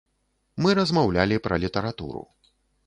Мы размаўлялі пра літаратуру.